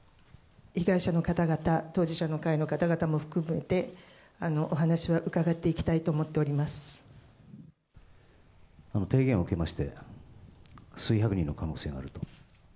被害者の方々、当事者の会の方々も含めて、お話は伺っていきたいと思ってお提言を受けまして、数百人の可能性があると。